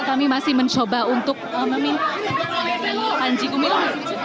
kami masih mencoba untuk meminta panji gumilang